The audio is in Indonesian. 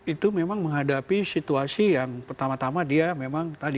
itu memang menghadapi situasi yang pertama tama dia memang tadi